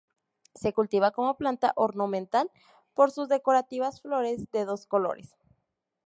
Se cultiva como planta ornamental por sus decorativas flores de dos colores.